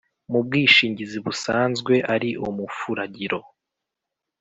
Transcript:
mu bwishingizi busanzwe ari umufuragiro